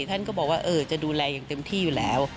ท่านก็บอกว่าจะดูแลอย่างเต็มที่อยู่แล้ว